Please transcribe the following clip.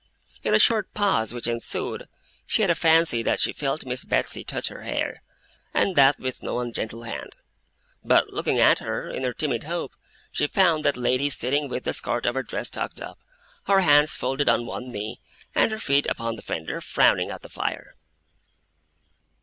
In a short pause which ensued, she had a fancy that she felt Miss Betsey touch her hair, and that with no ungentle hand; but, looking at her, in her timid hope, she found that lady sitting with the skirt of her dress tucked up, her hands folded on one knee, and her feet upon the fender, frowning at the fire.